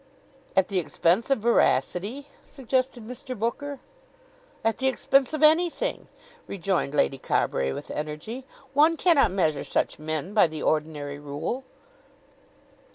"At the expense of veracity?" suggested Mr. Booker. "At the expense of anything?" rejoined Lady Carbury with energy. "One cannot measure such men by the ordinary rule."